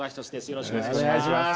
よろしくお願いします。